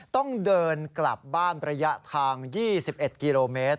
ต้องเดินกลับบ้านระยะทาง๒๑กิโลเมตร